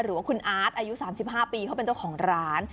หรือว่าคุณอาร์ตอายุ๓๕ปีเขาเป็นเจ้าของร้าน